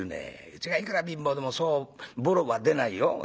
うちがいくら貧乏でもそうボロは出ないよ」。